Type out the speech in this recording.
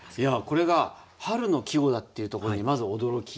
これが春の季語だっていうところにまず驚きがありました。